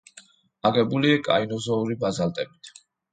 აგებულია კაინოზოური ბაზალტებით.